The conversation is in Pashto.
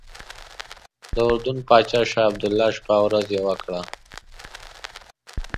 د اردن پاچا شاه عبدالله شپه او ورځ یوه کړه.